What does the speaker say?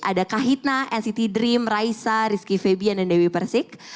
ada kahitna nct dream raisa rizky febian dan dewi persik